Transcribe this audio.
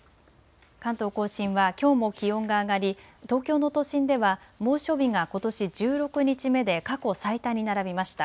関東甲信はきょうも気温が上がり東京の都心では猛暑日がことし１６日目で過去最多に並びました。